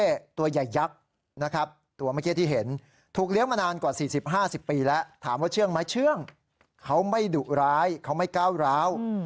สักครู่เดียวเจ้าแก้ว